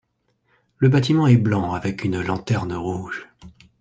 Le bâtiment est blanc avec une lanterne rouge.